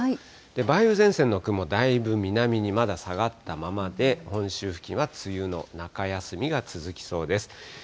梅雨前線の雲、だいぶ南にまだ下がったままで、本州付近は梅雨の中休みが続きそうです。